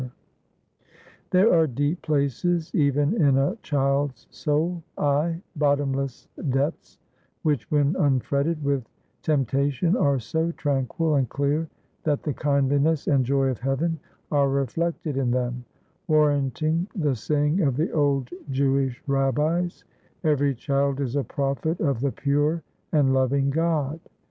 496 THE LITTLE JANIZARY There are deep places even in a child's soul — aye, bottomless depths — which, when unfretted with temp tation, are so tranquil and clear that the kindliness and joy of heaven are reflected in them, warranting the say ing of the old Jewish rabbis, "Every child is a prophet of the pure and loving God."